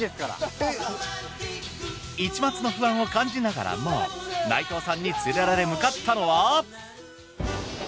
一抹の不安を感じながらも内藤さんに連れられ向かったのは。